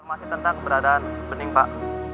masih tentang beradaan pening pak